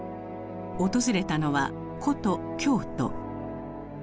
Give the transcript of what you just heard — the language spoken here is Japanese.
訪れたのは古都京都。